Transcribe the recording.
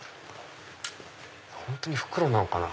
本当に袋なのかな？